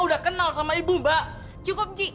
udah kenal sama ibu mbak cukup cik